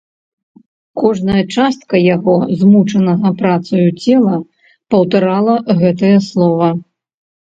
Кожная частка яго змучанага працаю цела паўтарала гэтае слова.